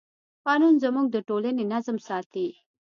قانون زموږ د ټولنې نظم ساتي.